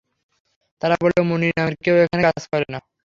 তারা বলল, মুনির নামের কেউ এখানে কাজ করে না।